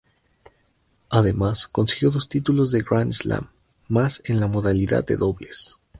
Además consiguió dos títulos de Grand Slam más en la modalidad de dobles.